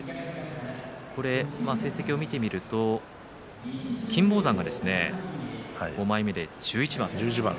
成績を見てみると金峰山が５枚目で１１番。